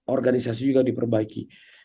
organisasi juga diperbaiki